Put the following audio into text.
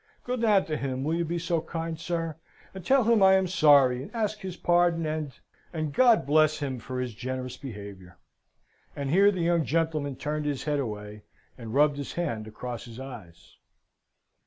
Go down to him, will you be so kind, sir? and tell him I am sorry, and ask his pardon, and and, God bless him for his generous behaviour." And here the young gentleman turned his head away, and rubbed his hand across his eyes.